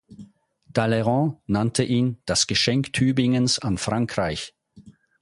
Talleyrand nannte ihn „Das Geschenk Tübingens an Frankreich“.